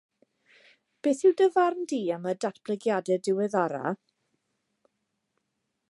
Beth yw dy farn di am y datblygiadau diweddaraf?